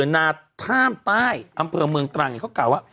นาท่ามใต้อำเภอเมืองตรังเขากล่าวว่า